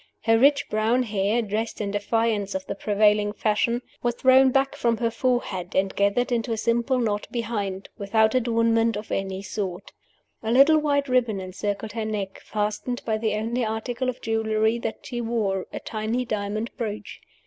Her rich brown hair, dressed in defiance of the prevailing fashion, was thrown back from her forehead, and gathered into a simple knot behind without adornment of any sort. A little white ribbon encircled her neck, fastened by the only article of jewelry that she wore a tiny diamond brooch.